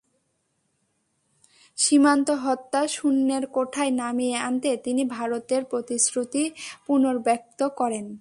সীমান্ত হত্যা শূন্যের কোঠায় নামিয়ে আনতে তিনি ভারতের প্রতিশ্রুতি পুনর্ব্যক্ত করেন।